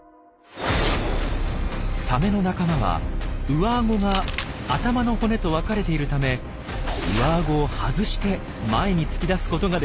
サメの仲間は上アゴが頭の骨と分かれているため上アゴを外して前に突き出すことができます。